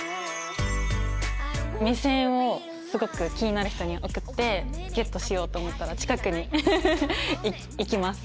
目線をすごく気になる人に送ってゲットしようと思ったら近くに行きます。